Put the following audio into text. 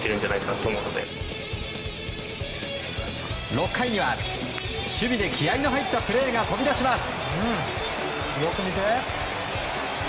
６回には、守備で気合の入ったプレーが飛び出します。